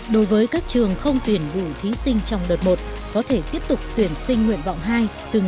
đối với các trường không tuyển vụ thí sinh trong đợt một có thể tiếp tục tuyển sinh nguyện vọng hai từ ngày hai mươi tám tháng tám